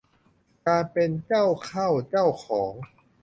การเป็นเจ้าเข้าเจ้าของ